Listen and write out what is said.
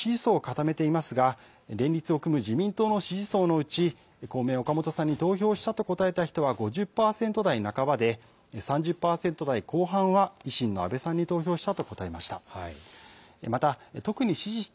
岡本さんは公明党の支持層を固めていますが連立を組む自民党の支持層のうち公明、岡本さんに投票したと答えた人は５０％台半ばで３０％台後半は維新の阿部さんに投票したと答えました。